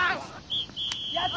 やった！